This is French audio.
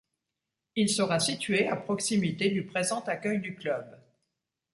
Il sera situé à proximité du présent accueil du club.